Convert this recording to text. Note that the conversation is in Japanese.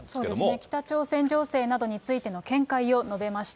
北朝鮮情勢などについて、見解を述べました。